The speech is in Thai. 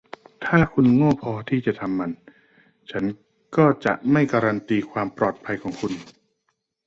ถ้าคุณโง่พอที่จะทำมัน ฉันก็จะไม่การันตีความปลอดภัยของคุณ